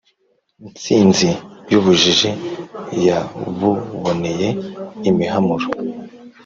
Ntsinzi y’ ubujiji yabuboneye imihamuro,